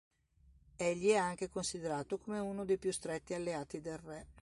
Egli è anche considerato come uno dei più stretti alleati del Re.